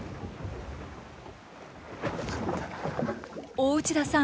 大内田さん